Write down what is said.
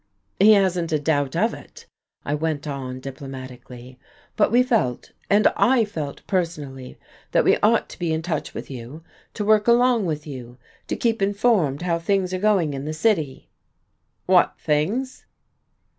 "He hasn't a doubt of it," I went on diplomatically. "But we felt and I felt personally, that we ought to be in touch with you, to work along with you, to keep informed how things are going in the city." "What things?"